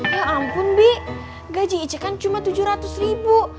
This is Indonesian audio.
ya ampun bi gaji ice kan cuma tujuh ratus ribu